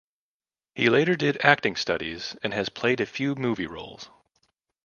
He later did acting studies and has played a few movie roles.